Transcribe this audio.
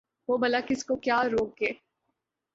وہ بلا کس کو کیا روک گے ۔